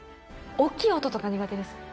大きな音とか苦手です。